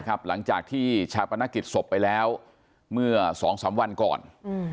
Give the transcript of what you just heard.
ครับหลังจากที่ชาบปนกิจศพไปแล้วเมื่อสองสามวันก่อนอืม